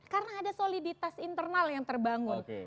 karena ada soliditas internal yang terbangun oke